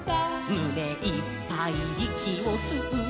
「むねいっぱいいきをすうのさ」